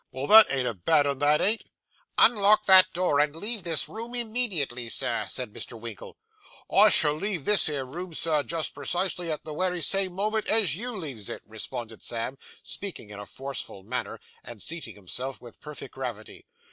Well, that ain't a bad 'un, that ain't.' 'Unlock that door, and leave this room immediately, Sir,' said Mr. Winkle. 'I shall leave this here room, sir, just precisely at the wery same moment as you leaves it,' responded Sam, speaking in a forcible manner, and seating himself with perfect gravity.